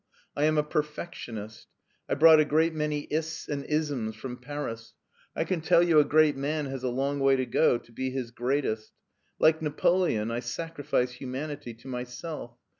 I am a perfectionist I brought a great many *ists' and * isms ' from Paris. I can tell you a great man has a long way to go to be his greatest. Like Napoleon, I sacrifice humanity to myself.